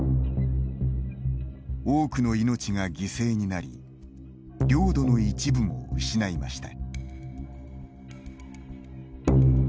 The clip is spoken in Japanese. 多くの命が犠牲になり領土の一部も失いました。